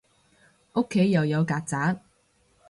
屋企又有曱甴